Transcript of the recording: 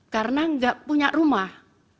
karena enggak punya rumah